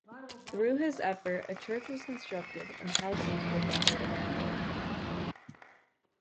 Through his effort, a church was constructed and houses were gathered around it.